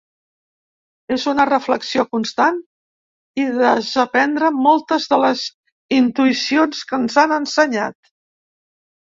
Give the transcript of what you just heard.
És una reflexió constant i desaprendre moltes de les intuïcions que ens han ensenyat.